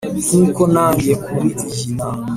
nk’uko na njye kuri iyi nanga